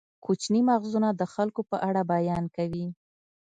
کوچني مغزونه د خلکو په اړه بیان کوي.